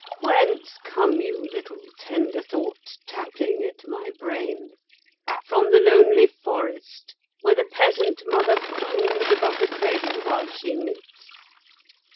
Whence come you, little tender Thought, tapping at my brain? From the lonely forest, where the peasant mother croons above the cradle while she knits?